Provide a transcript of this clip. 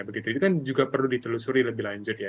begitu itu kan juga perlu ditelusuri lebih lanjut ya